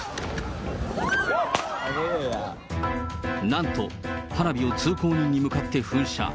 なんと、花火を通行人に向けて噴射。